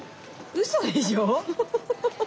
うそでしょ？